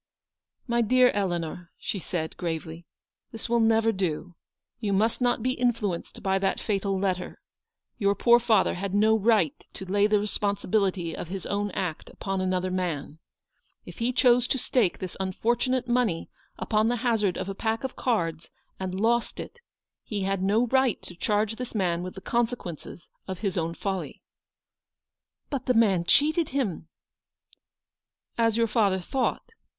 "My dear Eleanor," she said, gravely, "this LOOKING TO THE FUTURE. 181 will never do. You must not be influenced by that fatal letter. Your poor father had no right to lay the responsibility of his own act upon another man. If he chose to stake this un fortunate money upon the hazard of a pack of cards, and lost it, he had no right to charge this man with the consequences of his own folly." "But the man cheated him !" "As your father thought.